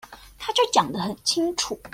他就講得很清楚